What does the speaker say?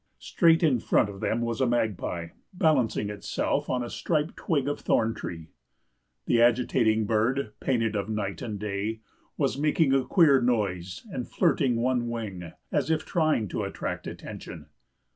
Straight in front of them was a magpie, balancing itself on a stripped twig of thorn tree. The agitating bird, painted of night and day, was making a queer noise and flirting one wing, as if trying to attract attention.